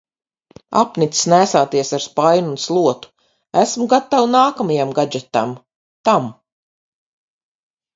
Apnicis nēsāties ar spaini un slotu. Esmu gatava nākamajam gadžetam - tam.